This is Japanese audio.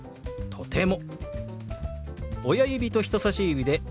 「とても」。